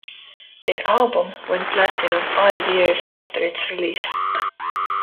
The album went platinum five years after its release.